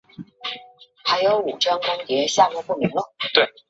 越南安息香为安息香科安息香属下的一个种。